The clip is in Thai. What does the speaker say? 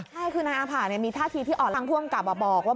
ใช่คือนายอาผะมีท่าทีที่ออกทางพร่วมกลับมาบอกว่า